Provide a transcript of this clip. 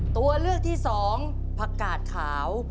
ตัวเลือกที่สองผักกาดขาว